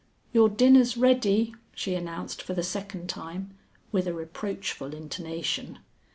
"Your dinner's ready," she announced for the second time, with a reproachful intonation.